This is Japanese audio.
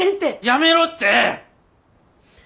やめろって！